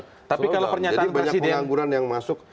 tapi banyak pengangguran yang masuk